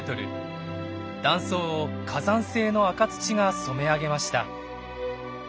断層を火山性の赤土が染め上げました。